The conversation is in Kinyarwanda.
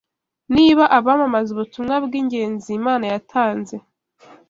Niba abamamaza ubutumwa bw’ingenzi Imana yatanze